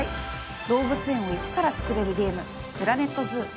動物園を一から作れるゲーム「ＰｌａｎｅｔＺｏｏ」。